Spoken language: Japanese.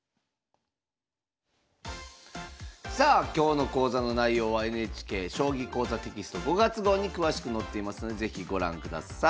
さあ今日の講座の内容はＮＨＫ「将棋講座」テキスト５月号に詳しく載っていますので是非ご覧ください。